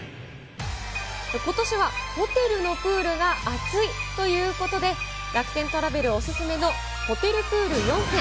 ことしはホテルのプールが熱いということで、楽天トラベルお勧めのホテルプール４選。